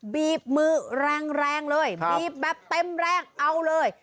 บีบมือแรงแรงเลยบีบแบบเต็มแรงเอาเลย